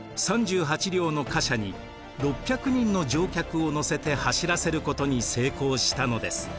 ３８両の貨車に６００人の乗客を乗せて走らせることに成功したのです。